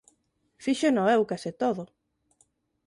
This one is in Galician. Fíxeno eu case todo.